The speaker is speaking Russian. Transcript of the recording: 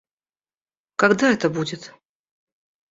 Когда это будет?